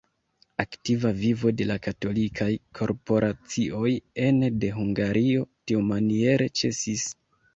Aktiva vivo de katolikaj korporacioj ene de Hungario tiumaniere ĉesis.